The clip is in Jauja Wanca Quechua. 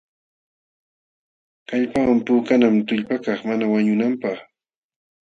Kallpawan puukanam tullpakaq mana wañunanapq.